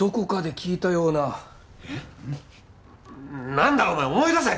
なんだお前思い出せ！